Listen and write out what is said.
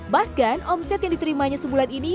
bahkan omset yang diterimanya sebulan ini